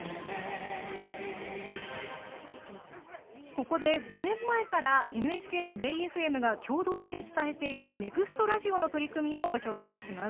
ここで５年前からＮＨＫとベイエフエムが共同して伝えている「ＮＥＸＴＲＡＤＩＯ」の取り組みをご紹介します。